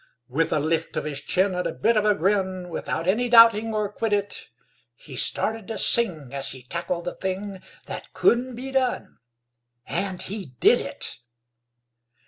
With a lift of his chin and a bit of a grin, Without any doubting or quiddit, He started to sing as he tackled the thing That couldn't be done, and he did it.